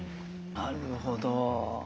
なるほど。